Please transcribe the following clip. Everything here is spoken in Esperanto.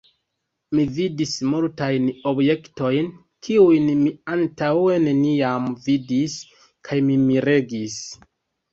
Mi vidis multajn objektojn, kiujn mi antaŭe neniam vidis, kaj mi miregis.